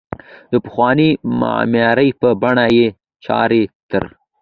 د پخوانۍ معمارۍ په بڼه یې چارې تر